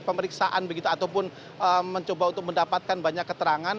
pemeriksaan begitu ataupun mencoba untuk mendapatkan banyak keterangan